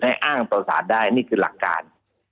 อ้างต่อสารได้นี่คือหลักการ